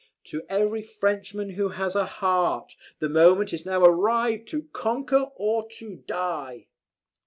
"To every Frenchman who has a heart, the moment is now arrived to conquer or to die.